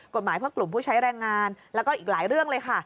กฎหมายเพื่อกลุ่มผู้ใช้แรงงานแล้วก็อีกหลายเรื่องเลยค่ะ